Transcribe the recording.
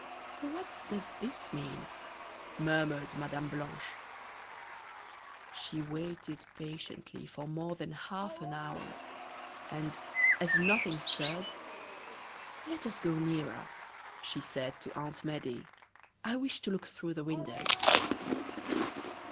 "What does this mean?" murmured Mme. Blanche. She waited patiently for more than half an hour, and as nothing stirred: "Let us go nearer," she said to Aunt Medea, "I wish to look through the windows."